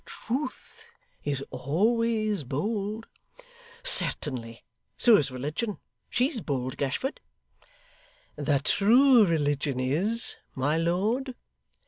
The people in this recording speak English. Truth is always bold.' 'Certainly. So is religion. She's bold, Gashford?' 'The true religion is, my lord.